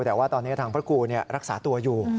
แต่ว่าตอนนี้ทางพระครูรักษาตัวอยู่